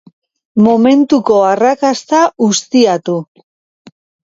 Momentuko arrakasta ustiatu.